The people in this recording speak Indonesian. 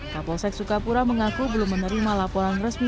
kapolsek sukapura mengaku belum menerima laporan resmi